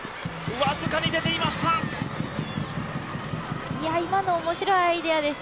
僅かに出ていました。